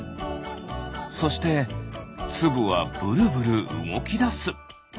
そしてつぶはぶるぶるうごきだす。